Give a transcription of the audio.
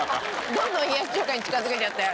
どんどん冷やし中華に近づけちゃって。